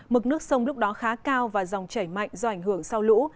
mực nước sông lúc đó khá cao và dòng chảy mạnh do ảnh hưởng sau lũ